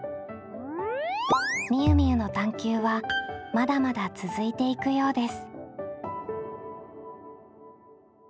みゆみゆの探究はまだまだ続いていくようです。